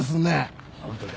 ホントだ。